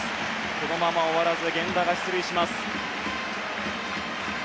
このまま終わらず源田が出塁しました。